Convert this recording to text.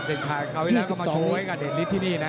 เด็ดขาดเขาอีกแล้วก็มาโชว์ให้กันนิดนิดที่นี่นะ